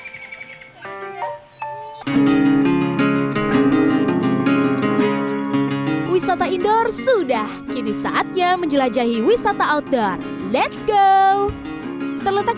kaki juga loh ayunannya wisata indoor sudah kini saatnya menjelajahi wisata outdoor let's go terletak